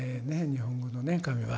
日本語のね「神」は。